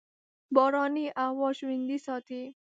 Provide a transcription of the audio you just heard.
باراني هوا ژوندي ساتي.